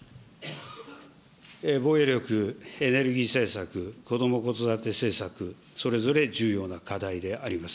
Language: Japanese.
防衛力、エネルギー政策、こども・子育て政策、それぞれ重要な課題であります。